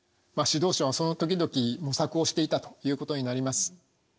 指導者はその時々模索をしていたということになります。